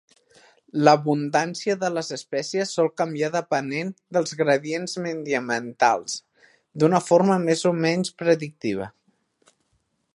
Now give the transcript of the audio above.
L"abundància de les espècies sol canviar depenent dels gradients mediambientals d"una forma més o menys predictiva.